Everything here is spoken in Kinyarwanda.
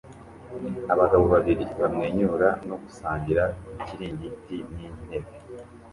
abagabo babiri bamwenyura no gusangira ikiringiti n'intebe